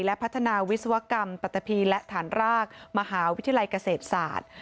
และพัฒนาวิศวกรรมปัตตะพีและฐานรากมหาวิทยาลัยเกษตรศาสตร์